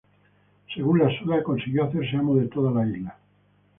Según la "Suda," consiguió hacerse amo de toda la isla.